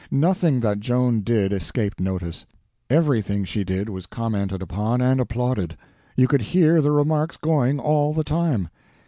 Nothing that Joan did escaped notice; everything she did was commented upon and applauded. You could hear the remarks going all the time.